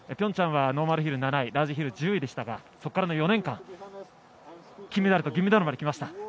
平昌ではノーマルヒル７位ラージヒル１０位でしたがそこからの４年間金メダルと銀メダルまで来ました